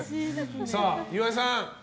さあ、岩井さん！